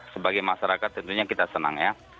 sebagai masyarakat tentunya kita senang ya